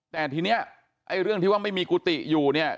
แต่ทีนี้ไอ้เรื่องที่ว่าไม่มีกุฏิอยู่เนี่ย